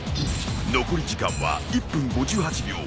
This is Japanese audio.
残り時間は１分５８秒。